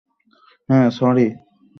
Ha, sorry.